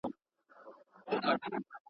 هم په ساندو بدرګه دي هم په اوښکو کي پېچلي!!